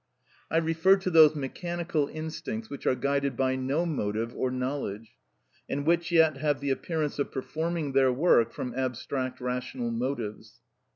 I refer to those mechanical instincts which are guided by no motive or knowledge, and which yet have the appearance of performing their work from abstract rational motives.